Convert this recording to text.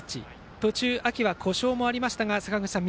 途中、秋は故障もありましたが坂口さん